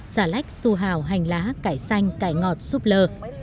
xà lách su hào hành lá cải xanh cải ngọt súp lơ